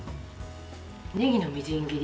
ねぎのみじん切り。